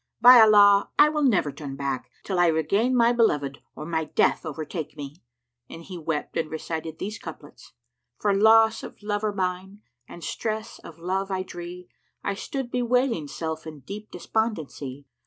By Allah, I will never turn back, till I regain my beloved or my death overtake me!" And he wept and recited these couplets, "For loss of lover mine and stress of love I dree, * I stood bewailing self in deep despondency.